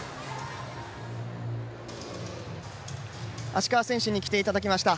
芦川選手に来ていただきました。